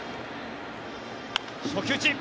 初球打ち。